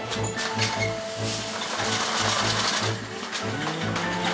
うん。